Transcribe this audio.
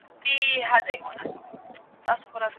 هغه د يتيمانو ملاتړ کاوه.